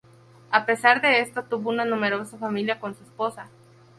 A pesar de esto tuvo una numerosa familia con su esposa.